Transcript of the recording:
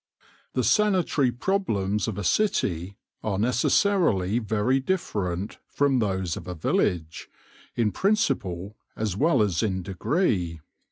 The sanitary problems of a city are necessarily very different from those of a village, in principle as well as in degree.